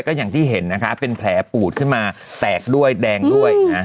ก็อย่างที่เห็นนะคะเป็นแผลปูดขึ้นมาแตกด้วยแดงด้วยนะ